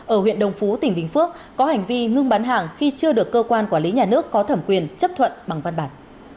ở huyện đồng phú tỉnh bình phước có hành vi ngưng bán hàng khi chưa được cơ quan quản lý nhà nước có thẩm quyền chấp thuận bằng văn bản